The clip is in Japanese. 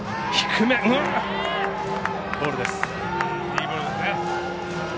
いいボールですね。